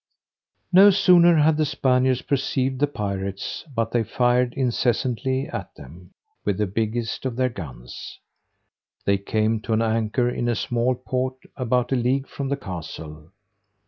No sooner had the Spaniards perceived the pirates, but they fired incessantly at them with the biggest of their guns. They came to an anchor in a small port, about a league from the castle.